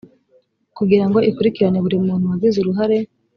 kugira ngo ikurikirane buri muntu wagize uruhare